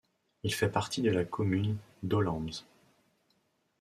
Il fait partie de la commune d'Olamze.